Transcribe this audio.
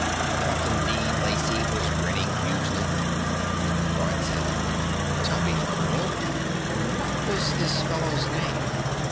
Captain Dean Lacey was grinning hugely. Thorn said: "Tell me, colonel what was this fellow's name?"